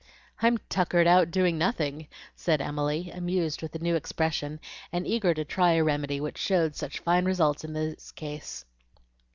"I'm 'tuckered out' doing nothing," said Emily, amused with the new expression, and eager to try a remedy which showed such fine results in this case.